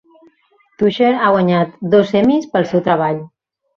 Toucher ha guanyat dos Emmys pel seu treball.